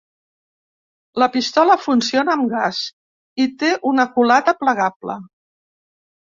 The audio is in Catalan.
La pistola funciona amb gas i té una culata plegable.